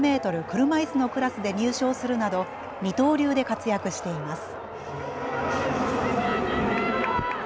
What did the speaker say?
車いすのクラスで入賞するなど二刀流で活躍しています。